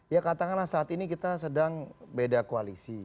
ya katakanlah saat ini kita sedang beda koalisi